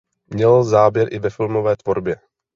Měl záběr i ve filmové tvorbě.